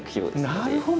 なるほど！